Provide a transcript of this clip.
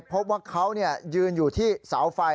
พบว่าเขาเนี่ยยืนอยู่ที่สาวไฟ